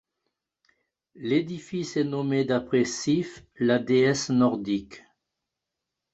L'édifice est nommé d'après Sif, la déesse nordique.